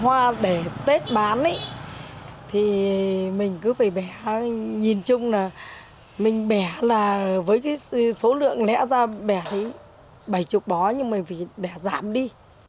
hoa để tết bán thì mình cứ phải bẻ nhìn chung là mình bẻ là với số lượng lẽ ra bẻ bảy mươi bó nhưng mà phải bẻ giảm đi